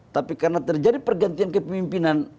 tapi karena terjadi pergantian kepemimpinan